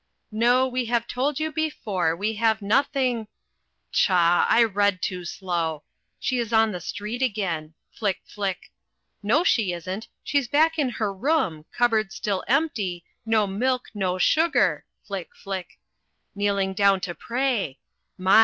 "NO, WE HAVE TOLD YOU BEFORE, WE HAVE NOTHING ..." Pshaw! I read too slow she's on the street again. Flick, flick! No, she isn't she's back in her room cupboard still empty no milk no sugar Flick, flick! Kneeling down to pray my!